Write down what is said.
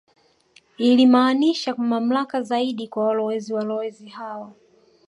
Ilimaanisha mamlaka zaidi kwa walowezi Walowezi hao